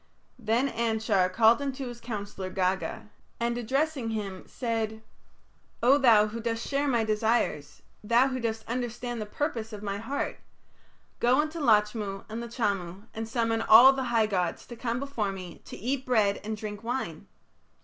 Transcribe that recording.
Then Anshar called unto his counsellor, Gaga, and addressing him, said: "O thou who dost share my desires, thou who dost understand the purpose of my heart, go unto Lachmu and Lachamu and summon all the high gods to come before me to eat bread and drink wine.